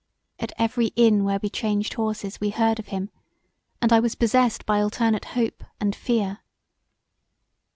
At every inn where we changed horses we heard of him, and I was possessed by alternate hope and fear.